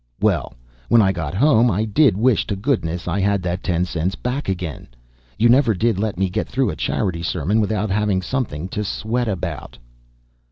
Well, when I got home, I did wish to goodness I had that ten cents back again! You never did let me get through a charity sermon without having something to sweat about."